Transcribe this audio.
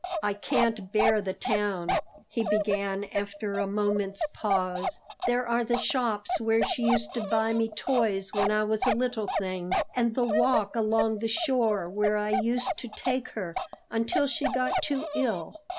"I can't bear the town," he began after a moment's pause. "There are the shops where she used to buy me toys when I was a little thing, and the walk along the shore where I used to take her until she got too ill.